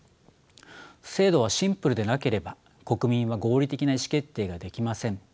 制度はシンプルでなければ国民は合理的な意思決定ができません。